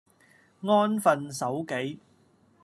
安分守己